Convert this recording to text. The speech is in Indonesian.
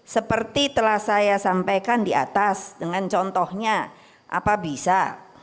seperti telah saya sampaikan di atas dengan contohnya apa bisa